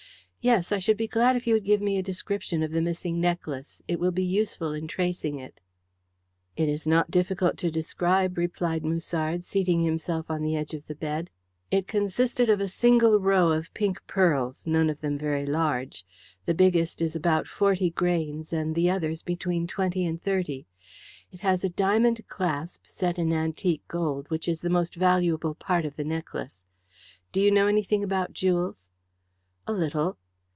"Yes. I should be glad if you would give me a description of the missing necklace. It will be useful in tracing it." "It is not difficult to describe," replied Musard, seating himself on the edge of the bed. "It consisted of a single row of pink pearls, none of them very large. The biggest is about forty grains, and the others between twenty and thirty. It has a diamond clasp, set in antique gold, which is the most valuable part of the necklace. Do you know anything about jewels?" "A little."